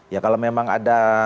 ya kalau memang ada